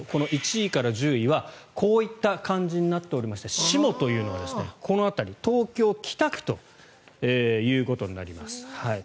１位から１０位はこういった感じになっておりまして志茂というのはこの辺り東京・北区になります。